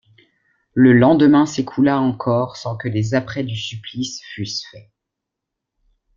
Le lendemain s’écoula encore sans que les apprêts du supplice fussent faits.